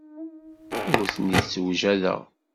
Ur ten-id-ssewjadeɣ.